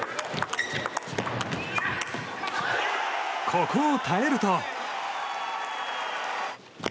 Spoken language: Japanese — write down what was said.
ここを耐えると。